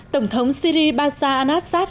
tổng thống syri pasha al assad